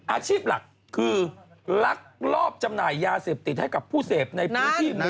อาชีพหลักคือลักลอบจำหน่ายยาเสพติดให้กับผู้เสพในพื้นที่หมู่